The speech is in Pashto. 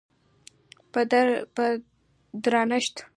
په درنښت